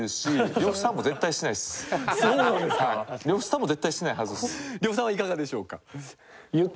呂布さんはいかがでしょうか？